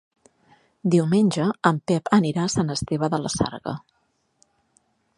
Diumenge en Pep anirà a Sant Esteve de la Sarga.